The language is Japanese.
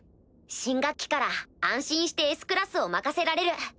新学期から安心してＳクラスを任せられる。